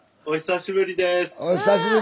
お久しぶりです。